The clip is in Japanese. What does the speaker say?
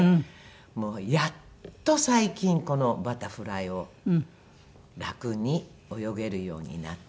もうやっと最近このバタフライを楽に泳げるようになって。